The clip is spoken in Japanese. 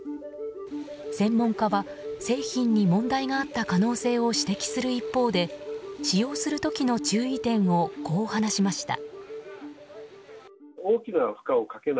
専門家は製品に問題があった可能性を指摘する一方で使用する時の注意点をこう話しました。